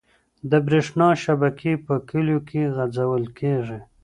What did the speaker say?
د بريښنا شبکي په کليو کي غځول کيږي.